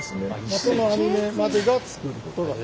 この編み目までが作ることができます。